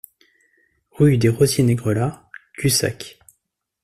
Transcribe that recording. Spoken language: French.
Rue des Rosiers Negrelat, Cussac